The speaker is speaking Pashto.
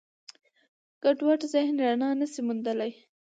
ګډوډ ذهن رڼا نهشي موندلی.